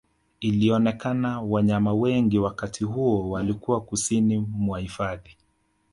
Ilionekana wanyama wengi wakati huo walikuwa kusini mwa hifadhi